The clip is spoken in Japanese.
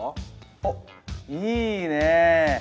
おっいいね！